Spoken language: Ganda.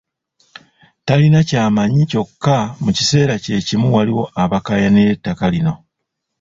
Talina ky’amanyi kyokka mu kiseera kye kimu waliwo abakaayanira ettaka lino.